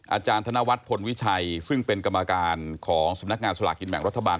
อาจารย์ธนวัฒน์พลวิชัยซึ่งเป็นกรรมการของสำนักงานสลากินแบ่งรัฐบาล